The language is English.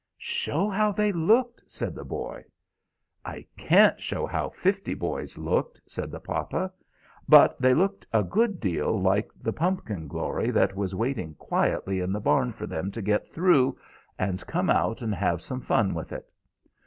"Show how they looked!" said the boy. "I can't show how fifty boys looked," said the papa. "But they looked a good deal like the pumpkin glory that was waiting quietly in the barn for them to get through, and come out and have some fun with it.